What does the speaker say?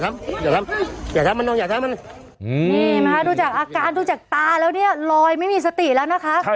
จะทำจะทำนะนักเดี๋ยวไม่มามาอากาศจะตราแล้วเนี่ยรอยไม่มีสติแล้วนะคะ